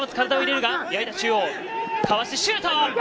かわしてシュート！